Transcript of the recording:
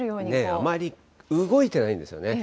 あまり動いてないんですよね。